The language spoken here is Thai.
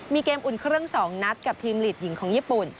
มีเกมอุ่นเครื่อง๒นัดกับทีมหลีดหญิงของญี่ปุ่น